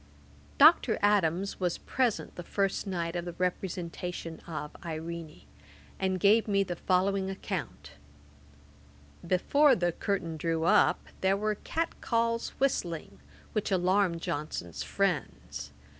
[Page 197: The Epilogue to IRENE. Ætat 40.] Dr. Adams was present the first night of the representation of Irene, and gave me the following account: 'Before the curtain drew up, there were catcalls whistling, which alarmed Johnson's friends.